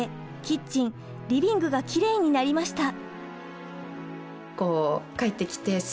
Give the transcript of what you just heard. キッチンリビングがキレイになりました。